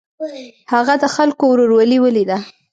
هغه د خلکو ورورولي ولیده.